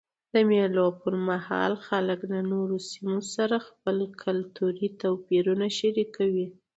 د مېلو پر مهال خلک له نورو سیمو سره خپل کلتوري توپیرونه شریکوي.